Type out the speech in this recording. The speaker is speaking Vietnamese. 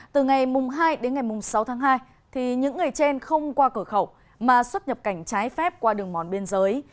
từ ngày hai đến ngày sáu tháng hai những người trên không qua cửa khẩu mà xuất nhập cảnh trái phép qua đường mòn biên giới